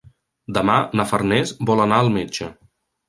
Demà na Farners vol anar al metge.